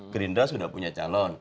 greenerah sudah punya calon